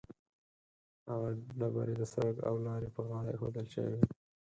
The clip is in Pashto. هغه ډبرې د سړک او لارې پر غاړه ایښودل شوې وي.